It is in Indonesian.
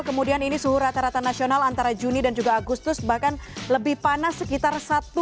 kemudian ini suhu rata rata nasional antara juni dan juga agustus bahkan lebih panas sekitar satu